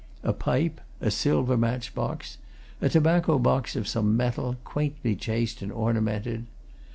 A pipe, a silver match box, a tobacco box of some metal, quaintly chased and ornamented.